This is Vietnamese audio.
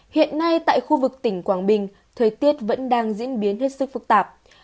hiện nay tại khu vực tỉnh quảng bình thời tiết vẫn đang diễn biến hết sức phức tạp